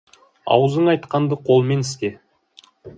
Аузың айтқанды қолмен істе.